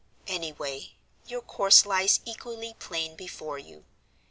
Anyway, your course lies equally plain before you.